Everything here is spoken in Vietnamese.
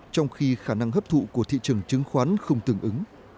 trong khi khả năng hấp thụ của thị trường chứng khoán không tương ứng